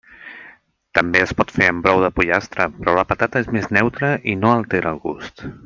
També es pot fer amb brou de pollastre, però la patata és més neutra i no altera el gust.